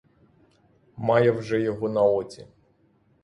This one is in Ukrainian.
Має вже його на оці.